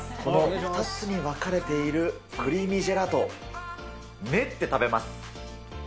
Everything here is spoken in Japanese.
２つに分かれているクリーミージェラート、練って食べます。